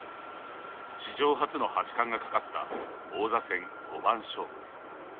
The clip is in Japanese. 史上初の八冠がかかった王座戦五番勝負。